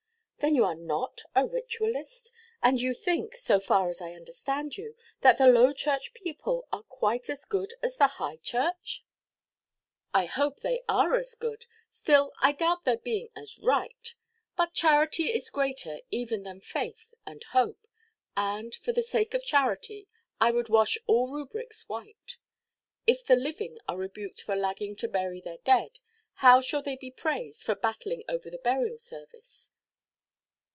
"Then you are not a ritualist? And you think, so far as I understand you, that the Low Church people are quite as good as the High Church?" "I hope they are as good; still I doubt their being as right. But charity is greater even than faith and hope. And, for the sake of charity, I would wash all rubrics white. If the living are rebuked for lagging to bury their dead, how shall they be praised for battling over the Burial Service?"